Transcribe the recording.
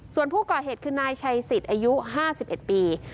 ส่วนผู้ก่อเหตุคือนายชัยศิษฐ์อายุห้าสิบเอ็ดปี